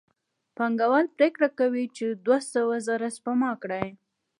پانګوال پرېکړه کوي چې دوه سوه زره سپما کړي